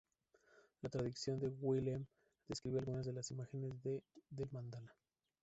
La traducción de Wilhelm describe algunas de las imágenes del mandala.